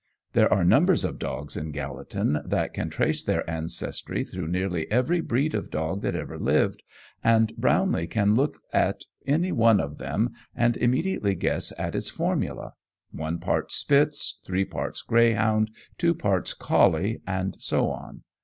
There are numbers of dogs in Gallatin that can trace their ancestry through nearly every breed of dog that ever lived, and Brownlee can look at any one of them and immediately guess at its formula one part Spitz, three parts greyhound, two parts collie, and so on.